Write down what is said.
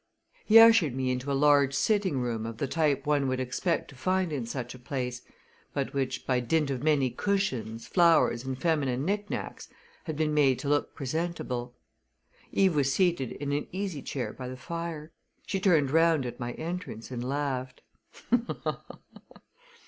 He ushered me into a large sitting room of the type one would expect to find in such a place, but which, by dint of many cushions, flowers, and feminine knickknacks, had been made to look presentable. Eve was seated in an easy chair by the fire. She turned round at my entrance and laughed.